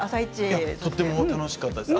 とても楽しかったです。